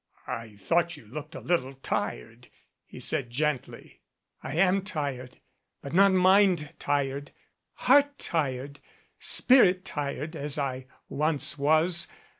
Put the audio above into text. "I thought you looked a little tired," he said gently. "I am tired but not mind tired, heart tired, spirit tired as I once was.